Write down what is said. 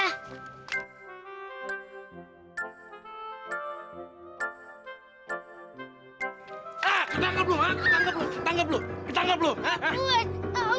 ah ketangkep lu ha ketangkep lu ketangkep lu ketangkep lu ha